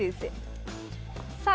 さあ。